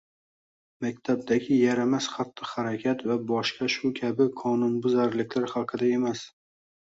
maktabdagi yaramas xatti-harakat va boshqa shu kabi qonunbuzarliklar haqida emas